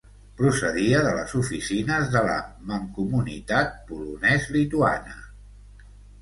Procedia de les oficines de la Mancomunitat polonès-lituana.